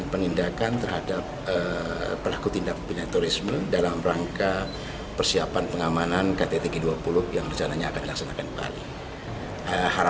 pertama penanganan bom eksplosif